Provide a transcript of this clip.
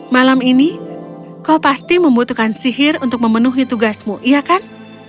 malam ini kau pasti membutuhkan sihir untuk memenuhi tugasmu iya kan